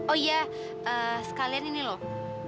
oh iya sekalian ini loh